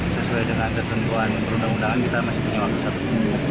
sesuai dengan ketentuan perundang undangan kita masih punya waktu satu minggu